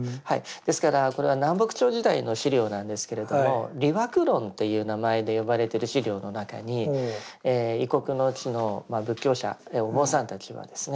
ですからこれは南北朝時代の資料なんですけれども「理惑論」っていう名前で呼ばれてる資料の中に異国の地の仏教者お坊さんたちはですね